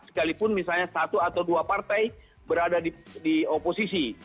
sekalipun misalnya satu atau dua partai berada di oposisi